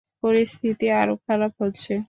পরিস্থিতি আরো খারাপ হচ্ছে।